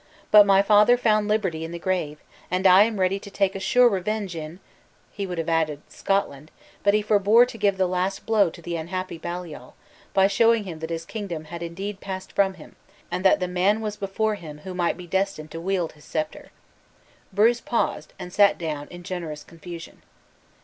But my father found liberty in the grave, and I am ready to take a sure revenge in " he would have added "Scotland," but he forbore to give the last blow to the unhappy Baliol, by showing him that his kingdom had indeed passed from him, and that the man was before him who might be destined to wield his scepter. Bruce paused, and sat down in generous confusion.